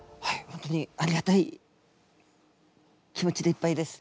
本当にありがたい気持ちでいっぱいです。